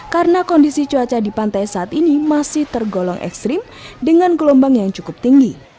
karena kondisi cuaca di pantai saat ini masih tergolong ekstrim dengan gelombang yang cukup tinggi